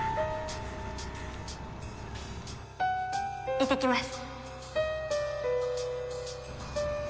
行ってきます